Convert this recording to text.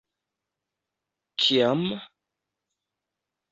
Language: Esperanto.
- Kiam?